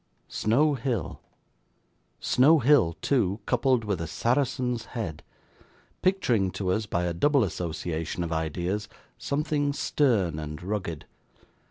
Snow Hill Snow Hill too, coupled with a Saracen's Head: picturing to us by a double association of ideas, something stern and rugged!